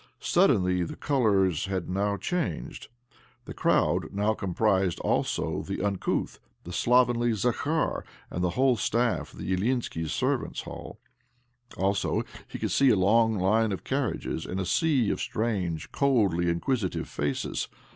Somehow the colours had now changed ; the crowd now comprised also the uncouth, the slovenly Zakhar and the whole staff of the Ilyinskis' servants' hall. Also, he could see a long line of carriages and a sea of strange, coldly inquisitive faces.